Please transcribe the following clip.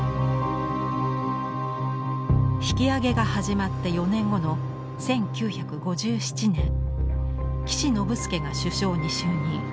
引き揚げが始まって４年後の１９５７年岸信介が首相に就任。